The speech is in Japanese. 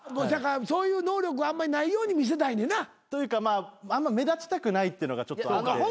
そういう能力あんまりないように見せたいねんな？というかあんま目立ちたくないっていうのがちょっとあって。